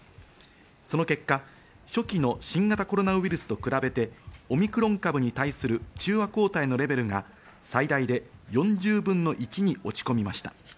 その結果、初期の新型コロナウイルスと比べてオミクロン株に対する中和抗体のレベルが最大で４０分の１に落ち込みました。